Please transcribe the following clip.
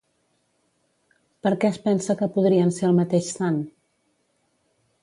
Per què es pensa que podrien ser el mateix sant?